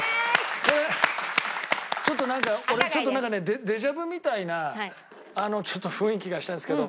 これちょっとなんか俺ちょっとなんかねデジャヴみたいな雰囲気がしたんですけど。